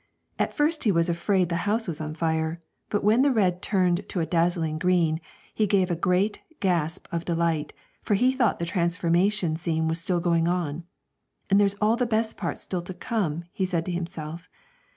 At first he was afraid the house was on fire, but when the red turned to a dazzling green, he gave a great gasp of delight, for he thought the transformation scene was still going on. 'And there's all the best part still to come,' he said to himself.